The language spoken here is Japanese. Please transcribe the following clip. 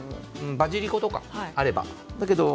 バジリコとかあれば。